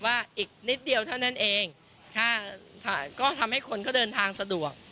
อีกนิดเดียวเท่านั้นเองถ้าถ่ายก็ทำให้คนเขาเดินทางสะดวก